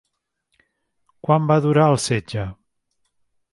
Quant va durar el setge?